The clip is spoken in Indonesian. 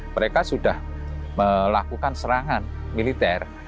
mereka sudah melakukan serangan militer